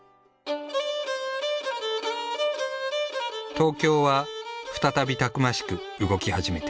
東京は再びたくましく動き始めていた。